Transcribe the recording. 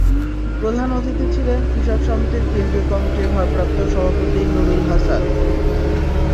প্রধান অতিথি ছিলেন কৃষক সমিতির কেন্দ্রীয় কমিটির ভারপ্রাপ্ত সভাপতি নুরুল হাসান।